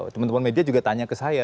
teman teman media juga tanya ke saya